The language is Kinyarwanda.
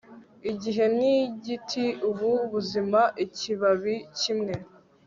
igihe ni igiti ubu buzima ikibabi kimwe